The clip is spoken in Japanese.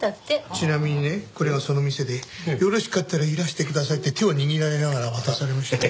ちなみにねこれがその店で「よろしかったらいらしてください」って手を握られながら渡されましたよ。